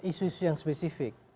isu isu yang spesifik